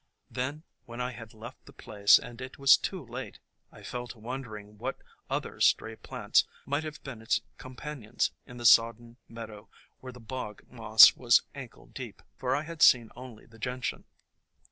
Then when I had left the place and it was too late, I fell to wondering what other stray plants might have been its com panions in the sodden meadow where the bog moss was ankle deep, for I had seen only the Gentian.